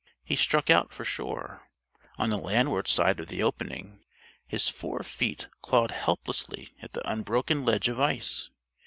He struck out for shore. On the landward side of the opening his forefeet clawed helplessly at the unbroken ledge of ice.